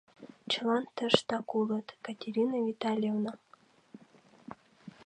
Чылан тыштак улыт, Катерина Витальевна.